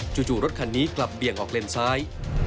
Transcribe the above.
จู่รถคันนี้กลับเบี่ยงออกเลนซ้าย